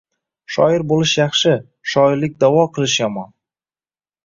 Shoir bo’lish yaxshi, shoirlik da’vo qilish yomon.